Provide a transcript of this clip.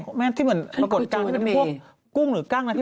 สมัยที่เหมือนมากดตรงกุ้งหรือกล้างนะ